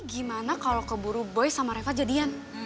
gimana kalau keburu boy sama reva jadian